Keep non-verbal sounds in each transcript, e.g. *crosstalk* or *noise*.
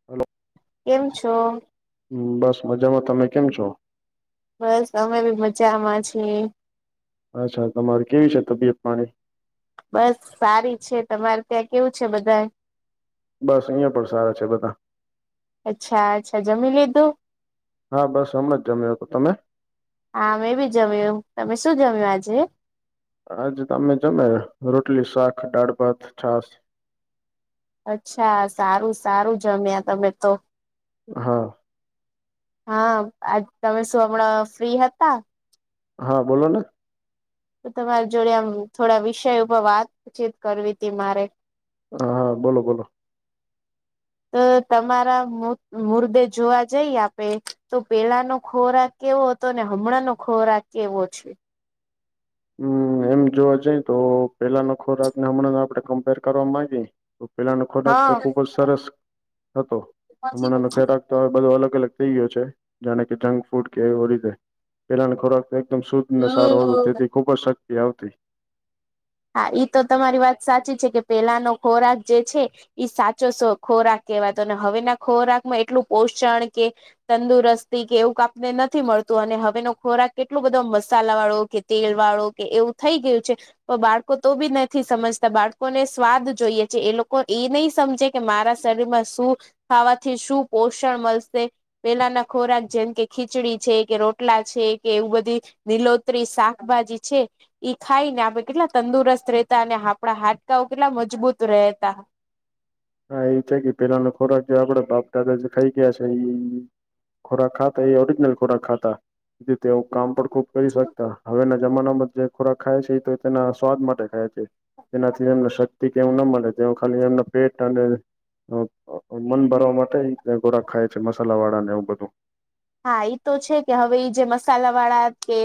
*unintelligible* કેમ છો? હ બસ મજામાં. તમે કેમ છો? બસ. અમે બી મજામાં છીએ. અચ્છા! તમારી કેવી છે તબિયતપાણી? બસ સારી છે. તમારે ત્યાં કેવું છે બધાય? બસ અહિયાં પણ સારા છે બધા. અચ્છા! અચ્છા! જમી લીધું? હા બસ હમણાં જ જમ્યો હતો. તમે? હા મેં બી જમ્યું. તમે શું જમ્યું આજે? આજે તો અમે જમ્યા રોટલી, શાક, દાળ, ભાત, છાશ. અચ્છા! સારું સારું જમ્યા તમે તો. હા, હા આજ તમે શું હમણાં ફ્રી હતા? હા બોલોને, તો તમારી જોડે આમ થોડા વિષય ઉપર વાતચીત કરવીતી મારે. હા હા બોલો બોલો. તો તમારા મુદ્ મુર્દે જોવા જઈ આપે, તો પેલાનો ખોરાક કેવો હતો? અને હમણાંનો ખોરાક કેવો છે? હમ્મ એમ જોવા જઈ તો પેલાનો ખોરાકને હમણાંનો આપડે કમ્પેર કરવા માંગી તો, પેલાનો ખોરાક તો હા. ખૂબ જ સરસ હતો. હમણાંનો જરાક તો હવે બધો અલગ અલગ થઈ ગયો છે. જાણે કે જંકફૂડ કે એવો રીતે પહેલાનો ખોરાક તો એક એકદમ શુદ્ધ ને સારો હતો. તેથી ખુબ જ શક્તિ આવતી. હા ઈ તો તમારી વાત સાચી છે. કે પહેલાનો ખોરાક જે છે, ઈ સાચો સો ખોરાક કેવાતો અને હવેના ખોરાકમાં એટલું પોષણ કે, તંદુરસ્તી કે એવુંક આપને નથી મળતું અને હવેનો ખોરાક કેટલો બધો મસાલાવાળો કે, તેલવાળો કે એવું થઈ ગયું છે. તો બાળકો તો બી નથી સમજતા બાળકોને સ્વાદ જોઈએ છે એ લોકો ઈ નહી સમજે કે મારા શરીરમા સુ ખાવાથી શુ પોષણ મળશે. પેલાના ખોરાક જેમ કે ખીચડી છે કે રોટલા છે કે એવું બધી લીલોતરી શાકભાજી છે ઇ ખાઈ ને આ બધ્ કેટલા તંદુરસ્ત રહેતા અને આપડા હાડકાઓ કેટલા મજબૂત રહેતા. હા એ છે કે પેલા ના ખોરાક એ આપડા બાપદાદા જે ખાઈ ગયા છે ઇ ખોરાક ખાતા એ ઓરિજનલ ખોરાક ખાતા જે તેઓ કામ પણ ખુબ કરી શકતા. હવે ના જમાનામાં જે ખોરાક ખાય છે તે એના સ્વાદ માટે ખાય છ. એ એનાથી એમને શક્તિ કેવું ના મળે જેવુ ખાલી એમના પેટ અને અ-અ-અ મન ભરવા માટે ઇ એમ ખોરાક ખાય છે મસાલા વાળા ને એવું બધું. હા ઇ તો છે કે હવે ઇ જે મસાલા વાળા કે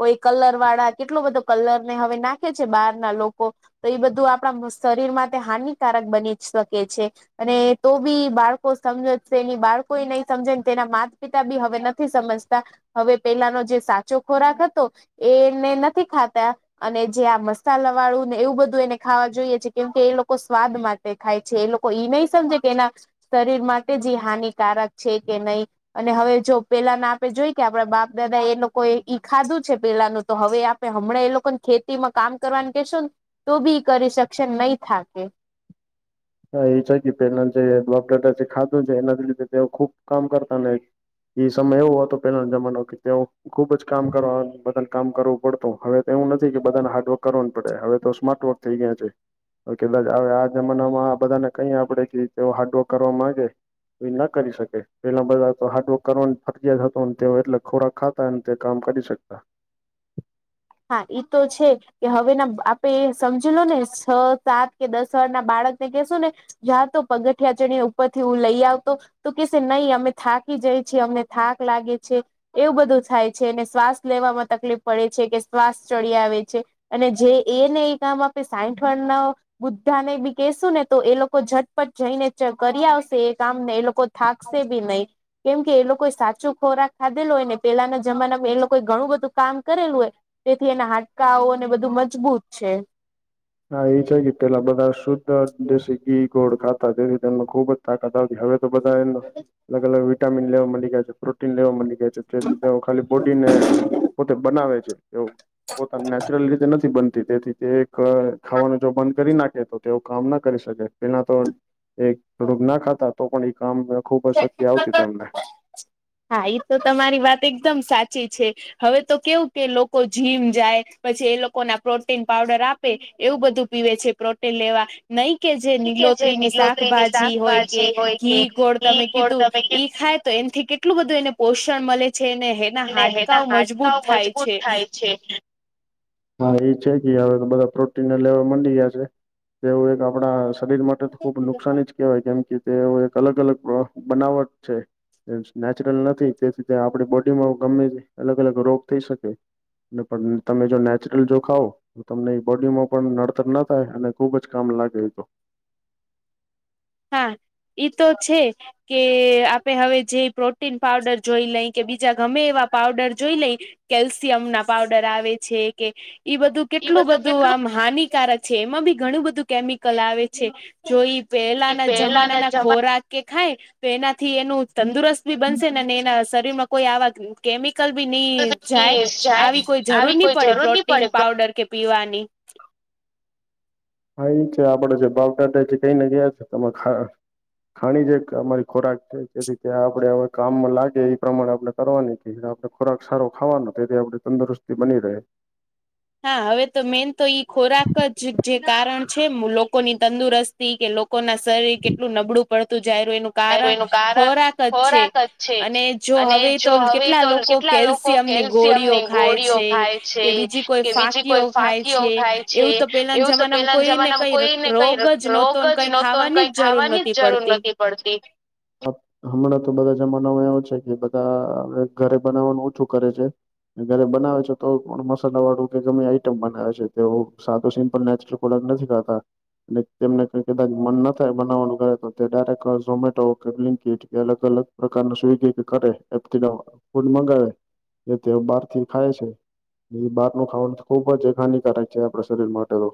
કોઈ કલર વાળા કેટલો બધો કલર ને હવે નાખે છે બહાર ના લોકો. તો એ બધું આપણા મસ્ શરીરમાટે હાનિકારક બની ત્ શકે છે. અને તો બી બાળકો સમજજશે ની બાળકોય નહી સમજેન તેના માતા પિત તાબી હવે નથી સમજતા હવે પેલાનો જે સાચો ખોરાક હતો એને નથી ખાતા. અને જે આ મસાલા વાળું ને એવું બધું એને ખાવા જોઈએ છે કેમકે એ લોકો સ્વાદમાંજ દે ખાય છે એ લોકો ઇ નહી સમજે કે એના શરીર માટે જે હાનિકારક છે કે નહીં. અને હવે જો પેલાના આપે જોઈ કે આપણા બાપ દાદાએ લોકોએ ઇ ખાધુ છે પેલાનું તો હવે આપ હમણાં એ લોકો ને ખેતીમાં કામ કરવાનું કેશોન તો બી ઇ કરી શકશેન નહી થાકે. એ છે કે પહેલા જે બાપ દાદા ખાધુંન છે એના લીધે તેઓ ખુબ કામ કરતા ને, એ સમય એવો હતો પેલાન જમાનો કે તેઓ ખુબ જ કામ કરવા બદલ કામ કરવું પડતું હવે એવુ નથી કે બધાને હાડવર્ક કરોન *unintelligible* હવે તો સ્માર્ટ વર્ક થઈ ગયા છે *unintelligible* આ-આ જમાનામાં અને કંઇ આપડે કીધ અ હાર્ડવર્ક કરવા માંગે એ ના કરી શકે પેલા બધા તો હાર્ડવર્ક કરવાન *unintelligible* હતુન તેઓ એટલે ખોરાક ખા અન તે કામ કરી શકતા. હા ઇ તો છે. કે હવે નામ્બ આપે સમજી લો ને છ સાત કે દસ ના બાળક ને કેસોને યા તો પગઠિયા ચડી ઉપર થી હું લઈ આવતો તો કેસે નઇ અમે થાકી જઇ છેીએ અમને થાક લાગે છે. એવુ બધુ થાય છે ને શ્વાસ લેવામાં તકલીફ પડે છે કે શ્વાસ ચડી આવે છે. અને જે એનેઇ કામ આપે સાઈઠવરના બુદ્ધાને બી કેસુને તો એ લોકો ઝટપટ જઈને જ કરી આવશે કામ ને એ લોકો થાકસે બી નઇ. કેમ કે એ લોકોએ સાચો ખોરાક ખાધેલો હોય ને પેલાના જમાનામ એ લોકોએ ઘણું બધું કામ કરેલુ હોય. તેથી એના હાડકાઓને બધુ મજબૂત છે. હા એ છે કે પેલા બધા શુદ્ધ દેશી ઘી ગોળ ખાતા તેથી તેમનો ખુબ જ તાકાત આવતી હવે તો બધા એમના અલગલગ વિટામીન લેવા મંડી ગ્યા છે, પ્રોટીન લેવા મંડી જેથી તેઓ ખાલી બોડી ને પોતે બનાવે છે એવું પોતાન નેચરલ રીતે નથી બનતી તેથી તે એક અ ખાવાનું જો બંધ કરી નાખે તો તેઓ કામ ના કરી શકે પેલા તો એક થોડુંક ના ખાતા તો પણ ઇ કામ *unintelligible* ખુબ શક્તિ આવતી તેમને. હા ઇ તો તમારી વાત એકદમ સાચી છે. હવે તો કેવું કે લોકો જીમ જાય પછી એ લોકો ના પ્રોટીન પાવડર આપ પે એવું બધું પીવે છે પ્રોટીન લેવા નહી કે જે કે જે નીલોત્રી ની લીલોતરીની શાકભાજી હોય કે શાકભાજી હોય કે ઘી ગોળ ઘી તમે ગોળ કીધું તમે ઈ કીધું ખાય તો એનથી કેટલું બધું એને પોષણ મલે છે એને હે ના ને એના હાડકાઓ મજબૂત હાડકાઓ થાય મજબૂત છે. થાય છે. હા એ છે કે હવે તો બધા પ્રોટીન લેવા મંડી ગયા છે એવું એક આપડા *unintelligible* માટે તો ખુબ નુકસાની જ કેહેવાય કેમ કે તેવો એક અલગ અલગ બનાવટ છે. નેચરલ નથી તેથી તે આપડી બોડીમાં ગમે અલગ અલગ રોગ થઈ શકે. ને પણ તમે જો ને *unintelligible* જો ખાવ તો તમને ઈ બોડીમાં પણ નડતર ના થાય અને ખુબ જ કામ લાગે તો હા ઈતો છે કે આપે હવે જે પ્રોટીન પાવડર જોઈ લઈ કે બીજા ગમે એવા પાવડર જોઈ લઈ કેલ્શિયમના પાવડર આવે છે કે ઈ બધું એ કેટલું બધું કેટલું આમ હાનિકારક છે એમાં બી ઘણું બધું કેમિકલ આવે છે જોઈ પેલ જમાના પહેલાના ના ખોરાક કે ખાય તો એનાથી એનું જમાના તંદુરસ્ત બી બનશે ને એના શરીર માં કોઈ આવા થી કેમિ કલ બી ની જાય આવી જાય કોઈ જરૂર આવી ની કોઈ પડે જરૂર નહી પડે પ્રોટીન પાવડર કે પીવાની હા ઈ છે આપળે જે *unintelligible* દાદા જે કઈને ગયા છે તમે ખા ખાણી જે અમારી ખોરાક છે જેથી તે આપડે હવે કામ લાગે એ પ્રમાણે આપણે કરવાની *unintelligible* આપણે ખોરાક સારો ખાવાનો તેથી આપણી તંદુરસ્તી બની રહે હા હવે તો મેન તો ઈ ખોરાક જ જે કારણ છે લોકોની તંદુરસ્તી કે લોક કો ના શરીર કેટલુ નબળુ પળતુ જાયરુ એનુ કારણ એનું કારણ ખોરાક જ છે ખોરાક જ છે. અને જો અને હવે તો જો હવે કેટલા તો લોકો કેટલા કેલ લોકો ચયમની ગોળીઓ કેલ્શિયમની ખાય ગોળીઓ છે ખાય છે. કે બીજી કોઈ કે બીજી ફાકીઓ કોઈ ખાય ફાંકીઓ છે ખાય છે એવું તો પેલાના એવું તો જમાનામાં પેલાના કોઈ ને જમાનામાં કઈ કોઈને કઈ રોગ જ રોગ નોતોન જ કઈ નહોતો ખાવાની કઈ જ જરૂર નોતી પડતી. પડતી. હમ હમણાં તો બધા જમાનામાં એવા છે કે બધા હવે ઘરે બનાવવાનું ઓછું કરે છે. ઘરે બનાવે છે તો પણ મસાલા વાળું કે ગમે આઈટમ બનાવે છે તેઓ સાદુ સિમ્પલ નેચરલ ખોરાક નથી ખાતા ને તેમને કદાચ મન ના થાય બનાવવાનું કાઈ તો તે ડાયરેક ઝોમેટો કે બ્લીન્કીટ કે અલગ અલગ પ્રકારનુ સ્વીગી કે કરે એપથી ફૂડ મંગાવે એ તે બહાર થી ખાય છે. એ બહારનું ખાવાનું તો ખુબ જ એ હાનિકારક છે આપણા શરીર માટે તો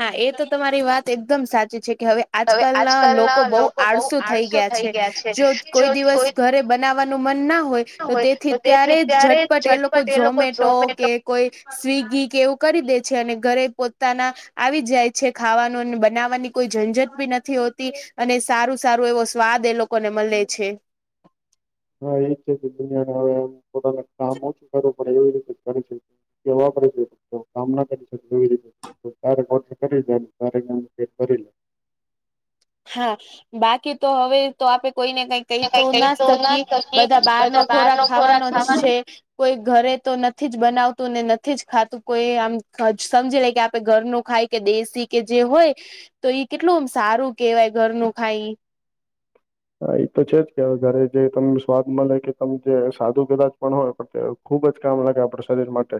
હા એ તો તમારી વાત એકદમ સાચી છે કે હવે આજકાલના લોકો બહુ આડસુ થઈ ગયા છે જો કોઈ દિવસ ઘરે બનાવવાનું મન ના હોય તો તેથી ત્યારે જ ઝટપટ એ લોકો ઝોમેટો કે કોઈ સ્વિગી કે એવું કરી દે છે ઘરે પોતાના આવી જાય છે ખાવાનું અને બનાવવાની કોઈ ઝંઝટ બી નથી હોતી. અને સારું સારું એવો સ્વાદ એ લોકોને મલે છે. હા એજ છે કે દુનિયાને હવે પોતાને કામ ઓછું કરવું પડે એવી રીતે કરે છે. કે વાપરે છે તો કામ ના કરી શકે એવી રીતે તો તારે કોક કરી જાય તારે *unintelligible* કરી લે હા બાકી તો હવે તો આપડે કોઈ ને કઈક કઈ તો ના શકી બધા બહાર નો ખોરાક ખાવાનો જ છે. કોઈ ઘરે તો નથી જ બનાવતું ને નથી જ ખાતું કોઈ આમ સમજી લે કે આપડે ઘર નું ખાય કે દેશી કે જે હોય તોઈ કેટલુ આમ સારું કેવાય ઘરનું ખાઈ ઈ હા એ તો છે જ કે હવે ઘરે જે તમને સ્વાદ મળે કે તમે જે સાદું કદાચ પણ હોય કે ખુબ જ કામ લાગે આપડા શરીર માટે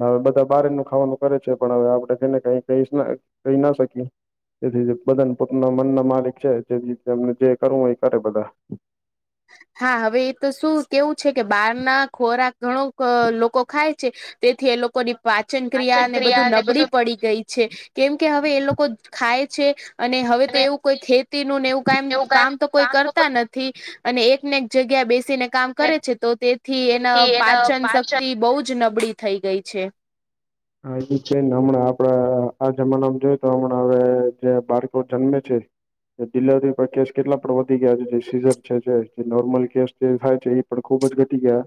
હવે બધા બહાર નું ખાવાનું કરે છે પણ હવે આપણે તેને કઈ ક કહી ના શકીએ. તેથી બધાને પોતાના મન ના માલિક છે જેથી તેમને જે કરવું હોય એ કરે બધા હા હવે એ તો શું કેવું છે કે બહાર ના ખોરાક ઘણો લોકો ખાય છે. તેથી એ લોકોની પાચન ક્રિયા ને બધું નબળી પડી ગઈ છે કેમ કે હવે એ લોકો ખાય છે. અને હવે તો એવું કોઈ ખેતી નું ને એવું કામ કામ તો કોઈ કરતા નથી. અને એકને એક જગ્યાએ બેસીને કામ કરે છે તો તેથી એના પાચન શક્તિ બહુ જ નબળી થઈ ગઈ છે. હા એ બી છે ન હમણાં આપડા આ આ જમાનામાં જોય તો હમણાં હવે જે બાળકો જન્મે છે. તે ડિલવરી પર કેસ કેટલા પણ વધી ગયા છે જે સીઝર છે જે જે નોર્મલ કેસ જે થાય છે ઈ પણ ખુબ જ ઘટી ગયા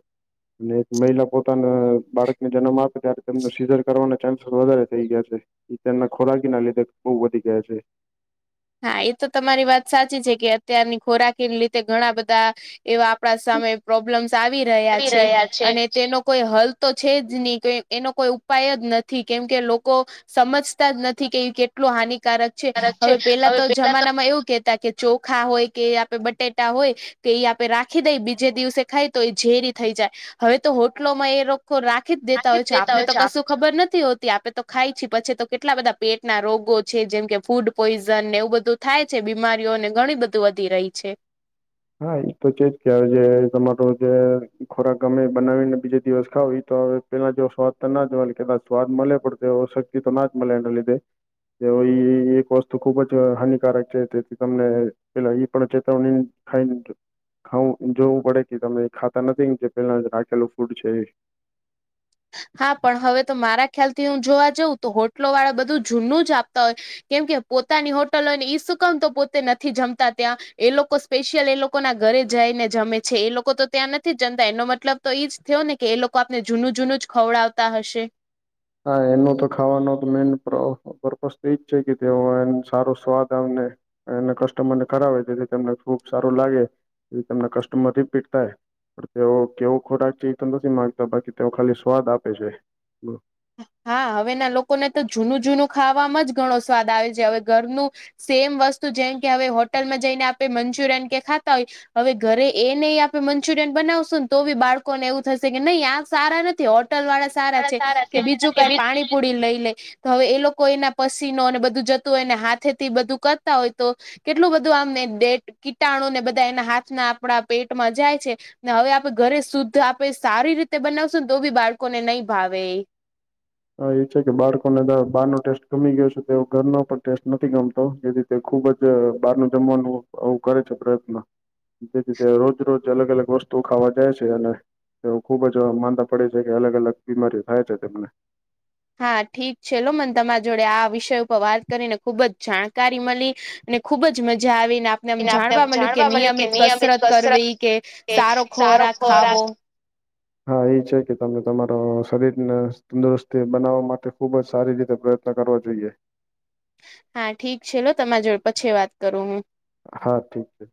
અને એક મહિલા પોતાના બાળકને જન્મ આપે ત્યારે તેમને સીઝર કરવાના ચાન્સ વધારે થઈ ગયા છે ઈ તેમના ખોરાકીના લીધે બહુ વધી ગયા છે. હા એ તો તમારી વાત સાચી છે કે અત્યારની ખોરાકી ન લીધે ઘણા બધા એવા આપણા સામે પ્રોબ્લેમ્સ આવી રહ્યા છે અને તેનો કોઈ હલ તો છે જ ની કંઈ એનો કોઈ ઉપાય જ નથી કેમકે લોકો સમજતા જ નથી કે ઈ કેટલું હાનિકારક કારક છે હવે પેલા તો. માં એવું કેતા કે ચોખા હોય કે આપડે બટેટા હોય. કે ઈ આપે રાખી દેઈ બીજે દિવસે ખાય તો એ ઝેરી થઈ જાય હવે તો હોટલોમાં એ રોક ો રાખી જ દેતા હોય છે આપને તો કશું ખબર નથી હોતી આપે તો ખાયી છે પછી તો કેટલા બધા પેટના રોગો છે જેમ કે ફૂડ પોઈઝ *unintelligible* ને એવું બધું થાય છે બીમારીઓને ઘણી બધું વધી રહી છે. હા એ તો છે જ કે જે તમારો જે ખોરાક અમે બનાવીને બીજે દિવસ ખાવો ઈ તો હવે પેલા જેવો સ્વાદ તો ના જ મલે કદાચ સ્વાદ મલે પડ તેવો શક્તિ તો ના જ મલે એના લીધે. તેઓ ઈ એક વસ્તુ ખુબ જ હાનિકારક છે તેથી તમને પેલા ઈ પણ ચેતવની ખાઈને જ ખાવું જોવું પડે કે તમે ખાતા નથી ન કે પેલા રાખેલું ફૂડ છે. હા પણ હવે તો મારા ખ્યાલ થી હું જોવા જઉં તો હોટલો વાળા બધું જૂનું જ આપતા હોય. કેમ કે પોતાની હોટલ હોય ને ઈ શું કામ તો પોતે નથી જમતા ત્યાં એ લોકો? સ્પેશિયલ એ લોકો ના ઘરે જાઈને જમે છે એ લોકો તો ત્યાં નથી જ જમતા એનો મતલબ તો ઈજ થયો ને. કે એ લોકો આપને જૂનું જૂનું જ ખવડાવતા હશે. હા એનો તો ખાવાનો મેન પ્રો પરપસ્ત એજ છે કે તેનો સારો સ્વાદ આવે ને. એના કસ્ટમર ને કરાવે તેથી તમને ખુબ સારું લાગે તે તમને કસ્ટમર રીપીટ થાય. પણ તેઓ કેવો ખોરાક છે એ તો નથી માંગતા બાકી તેઓ ખાલી સ્વાદ આપે છે. હા હવે ના લોકોને તો જૂનું જૂનું ખાવામાં જ ઘણો સ્વાદ આવે છે હવે ઘરનું. સેમ વસ્તુ જેમ કે હવે હોટલમાં જઈને આપણે મંચુરિયન કે ખાતા હોય. હવે ઘરે એ નહી આપે મંચુરિયન બનાવશું ને તો બી બાળકોને એવું થશે કે નહી આ સારા નથ થી હોટલ વાળા સારા છે કે બીજું કઈ પાણીપુડી લઈ લે. તો હવે એ લોકો એના પસીનો અને બધું જતું હોયને હાથે થી બધું કરતા હોય તો. કેટલું બધું આમે બેટ કીટાણુ ને બધા એના હાથના આપણા પેટમાં જાય છે. ને હવે આપડે ઘરે શુદ્ધ આપે સારી રીતે બનાવશું ને તો બી બાળકોને નહી ભાવે એ. અ એ છે કે બાળકોને દ બહાર નો ટેસ્ટ ગમી ગયો છે તો ઘરનો પણ ટેસ્ટ નથી ગમતો જે તે તે ખુબ જ બહાર નુ જમવાનું આવું કરે છે પ્રયત્ન. જેથી તે રોજ રોજ અલગ અલગ વસ્તુ ખાવા જાય છે અને એ ખુબ જ માંદા પડે છે કે અલગ અલગ બીમારીઓ થાય જ છે તેમને. હા ઠીક છે લોમન તમારા જોડે આ વિષય ઉપર વાત કરીને ખુબ જ જાણકારી મલી. ને ખુબ જ મજા આવીને આપ એમ જાણવા મળ્યું કે નિયમિત કસરત કરવી કે સારો ખોરાક ખાવો. *inaudible* હા એ છે કે તમને તમારો શરીરને તંદુરસ્તી બનાવવા માટે ખુબ જ સારી રીતે પ્રય ત્ન કરવો જોઈએ. હા ઠીક છે લો તમાર જોડે પછી વાત કરું હું. હા ઠીક છે.